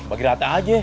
bagi rata aja